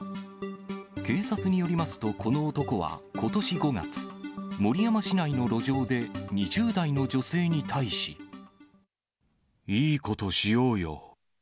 警察によりますと、この男はことし５月、守山市内の路上で２０代の女性に対し。いいことしようよ。